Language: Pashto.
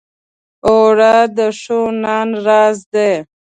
اوړه د ښو نان راز دی